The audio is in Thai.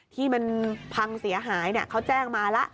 ที่มันพังเสียหายเนี้ยเขาแจ้งมาล่ะ